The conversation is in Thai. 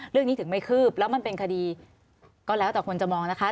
เรื่องนี้ถึงไม่คืบแล้วมันเป็นคดีก็แล้วแต่คนจะมองนะคะ